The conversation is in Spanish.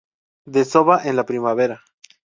Desova en la primavera.